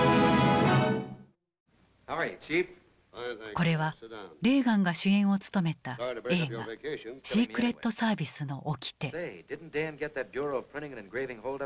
これはレーガンが主演を務めた映画「シークレットサービスの掟」。